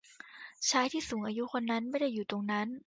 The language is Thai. ชายที่สูงอายุคนนั้นไม่ได้อยู่ตรงนั้น